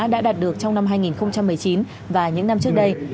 đã đạt được trong năm hai nghìn một mươi chín và những năm trước đây